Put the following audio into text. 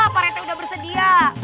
pak rt udah bersedia